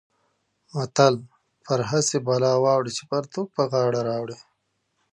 متل: پر هسې بلا واوړې چې پرتوګ پر غاړه راوړې.